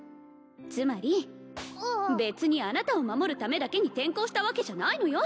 つまり別にあなたを守るためだけに転校したわけじゃないのよ